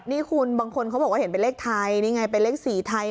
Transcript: นี่คุณบางคนเขาบอกว่าเห็นเป็นเลขไทยนี่ไงเป็นเลข๔ไทย